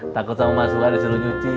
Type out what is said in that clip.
takut sama mas wadis selalu nyuci